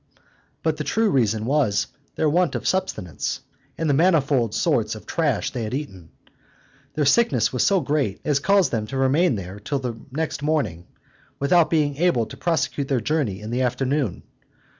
But the true reason was, their want of sustenance, and the manifold sorts of trash they had eaten. Their sickness was so great, as caused them to remain there till the next morning, without being able to prosecute their journey in the afternoon.